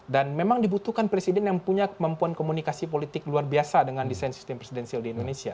dan memang dibutuhkan presiden yang punya kemampuan komunikasi politik luar biasa dengan desain sistem presidensial di indonesia